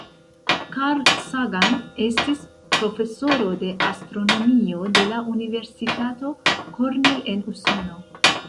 Carl Sagan estis profesoro de astronomio de la Universitato Cornell en Usono.